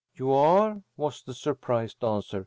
"You are!" was the surprised answer.